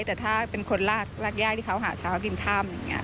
แต่ถ้าเป็นคนรากย่าที่เขาหาเช้ากินค่ำอย่างนี้